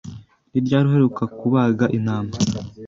Ni ryari uheruka kubaga intama?